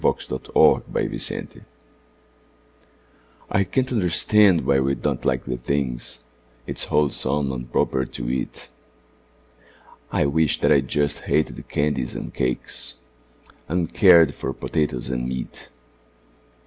Edgar Fawcett A Sad Case I CAN'T understand why we don't like the things It's wholesome and proper to eat; I wish that I just hated candies and cakes, And cared for potatoes and meat.